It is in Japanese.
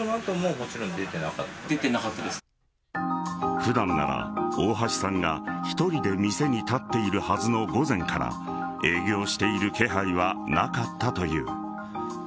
普段なら大橋さんが１人で店に立っているはずの午前から営業している気配はなかったという。